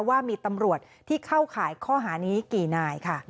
ว่ามีตำรวจที่เข้าข่ายข้อหานี้กี่นายค่ะ